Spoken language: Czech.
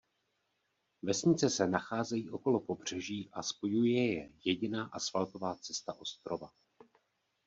Vesnice se nacházejí okolo pobřeží a spojuje je jediná asfaltová cesta ostrova.